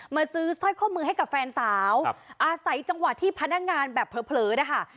ซื้อสร้อยข้อมือให้กับแฟนสาวอาศัยจังหวะที่พนักงานแบบเผลอนะคะ